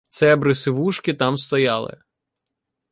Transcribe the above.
Цебри сивушки там стояли